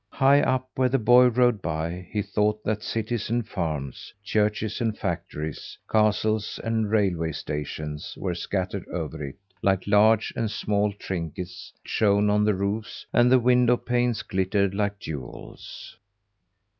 High up where the boy rode by he thought that cities and farms, churches and factories, castles and railway stations were scattered over it, like large and small trinkets. It shone on the roofs, and the window panes glittered like jewels.